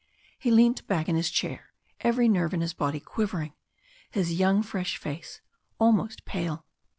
He leant back in his chair, every nerve in his body quivering, his young fresh face almost pale.